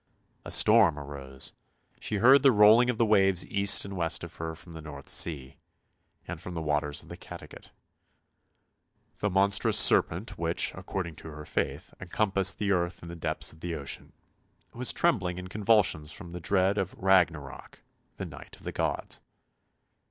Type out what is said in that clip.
A storm arose; she heard the rolling of the waves east and west of her from the North Sea, and from the waters of the Cattegat. The monstrous serpent which, according to her faith, encom passed the earth in the depths of the ocean, was trembling in convulsions from dread of " Ragnarok," the night of the gods.